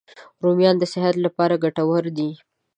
رومیان د صحت لپاره ګټور دي